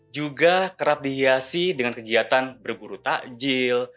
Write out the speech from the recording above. juga kerap dihiasi dengan kegiatan berburu takjil